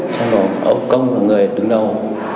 trong đó ông công là người đứng đầu